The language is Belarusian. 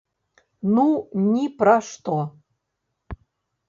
Ну, ні пра што.